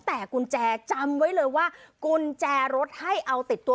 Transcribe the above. แต่กุญแจจำไว้เลยว่ากุญแจรถให้เอาติดตัว